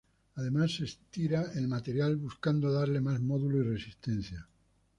Además se estira el material buscando darle más módulo y resistencia.